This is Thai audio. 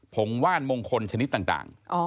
งว่านมงคลชนิดต่าง